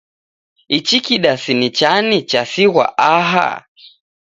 Ichi kidasi ni chani chasighwa aha?